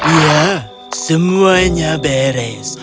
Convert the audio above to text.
ya semuanya beres